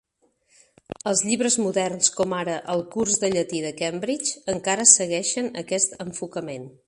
Els llibres moderns, com ara el "Curs de llatí de Cambridge", encara segueixen aquest enfocament.